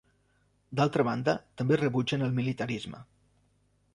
D'altra banda, també rebutgen el militarisme.